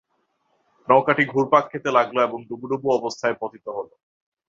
নৌকাটি ঘুরপাক খেতে লাগলো এবং ডুবুডুবু অবস্থায় পতিত হলো।